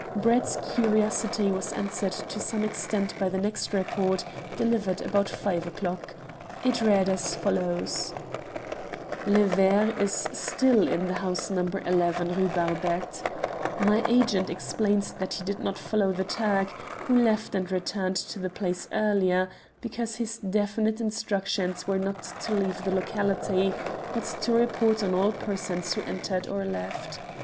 Brett's curiosity was answered to some extent by the next report, delivered about five o'clock. It read as follows "Le Ver is still in the house No. 11, Rue Barbette. My agent explains that he did not follow the Turk, who left and returned to the place earlier, because his definite instructions were not to leave the locality, but to report on all persons who entered or left.